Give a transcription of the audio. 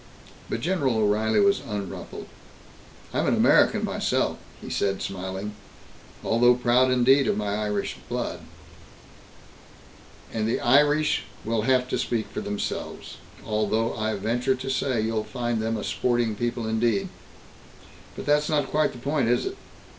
But General O'Reilly was unruffled. "I'm an American, myself," he said, smiling, "although proud indeed of my Irish blood. And the Irish Irish will have to speak for themselves, although I venture to say you'll find them a sporting people indeed. But that's not quite the point, is it?